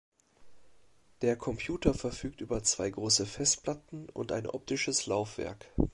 Der Computer verfügt über zwei große Festplatten und ein optisches Laufwerk.